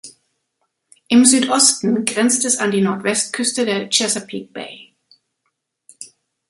Im Südosten grenzt es an die Nordwestküste der Chesapeake Bay.